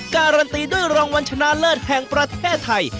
การันตีด้วยรางวัลชนะเลิศแห่งประเทศไทย